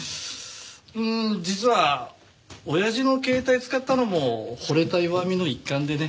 うーん実は親父の携帯使ったのも惚れた弱みの一環でね。